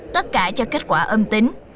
tất cả cho kết quả âm tính